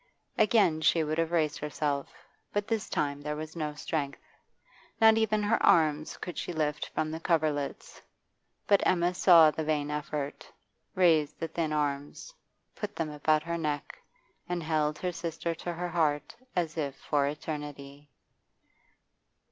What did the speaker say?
Again she would have raised herself, but this time there was no strength. Not even her arms could she lift from the coverlets. But Emma saw the vain effort, raised the thin arms, put them about her neck, and held her sister to her heart as if for eternity.